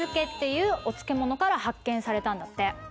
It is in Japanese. いうお漬物から発見されたんだって。